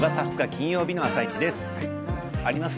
金曜日の「あさイチ」です。